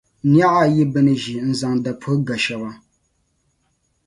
niɣ’ ayi bɛ ni ʒi n-zaŋ dapuhi ga shɛba.